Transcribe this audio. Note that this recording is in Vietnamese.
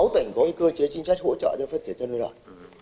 một mươi sáu tỉnh có cơ chế chính trách hỗ trợ cho phát triển chân nội đoạn